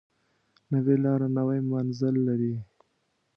نوې لاره نوی منزل لري